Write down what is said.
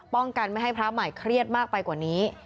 ป้องกันไม่ให้พระใหม่เครียดมากไปกว่านี้